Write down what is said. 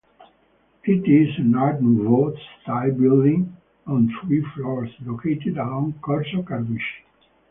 It is an Art Nouveau style building on three floors located along Corso Carducci.